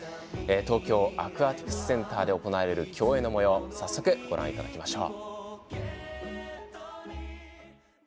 東京アクアティクスセンターで行われる競泳のもよう早速ご覧いただきましょう。